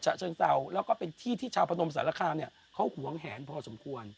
เชิงเศร้าแล้วก็เป็นที่ที่ชาวพนมสารคามเนี่ยเขาหวงแหนพอสมควร